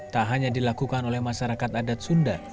tak hanya dilakukan oleh masyarakat adat sunda